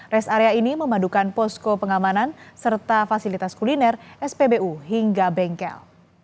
res area ini memadukan posko pengamanan serta fasilitas kuliner spbu hingga bengkel